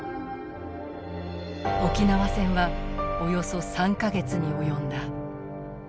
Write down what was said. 沖縄戦はおよそ３か月に及んだ。